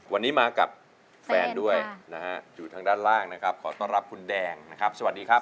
วันนี้มากับแฟนด้วยนะฮะอยู่ทางด้านล่างนะครับขอต้อนรับคุณแดงนะครับสวัสดีครับ